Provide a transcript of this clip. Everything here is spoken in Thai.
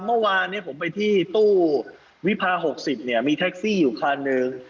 เมื่อวานผมไปที่ตู้วิพา๖๐เนี่ยมีแท็กซี่อยู่คันหนึ่ง